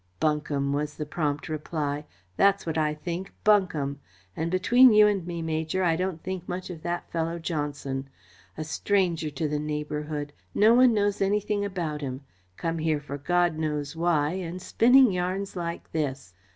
"Bunkum!" was the prompt reply. "That's what I think bunkum! And between you and me, Major, I don't think much of that fellow Johnson. A stranger to the neighbourhood. No one knows anything about him. Come here for God knows why, and spinning yarns like this!